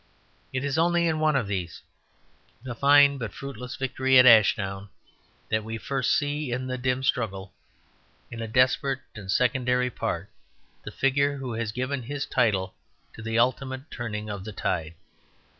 It is only in one of these, the fine but fruitless victory at Ashdown, that we first see in the dim struggle, in a desperate and secondary part, the figure who has given his title to the ultimate turning of the tide.